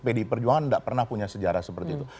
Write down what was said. pdi perjuangan tidak pernah punya sejarah seperti itu